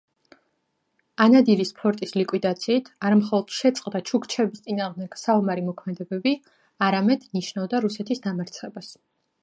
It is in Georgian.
ანადირის ფორტის ლიკვიდაციით არა მხოლოდ შეწყდა ჩუქჩების წინააღმდეგ საომარი მოქმედებები, არამედ ნიშნავდა რუსეთის დამარცხებას.